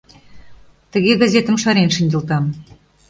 Тыге, газетым шарен шинчылтам.